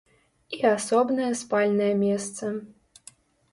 І асобнае спальнае месца.